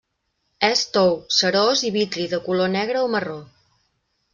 És tou, cerós i vitri de color negre o marró.